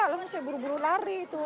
langsung saya buru buru lari itu